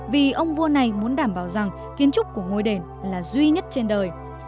vì ông vua này muốn đảm bảo rằng kiến trúc của ngôi đền là duy nhất trên đời